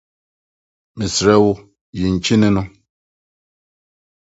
Mesrɛ wo, yi nkyene no.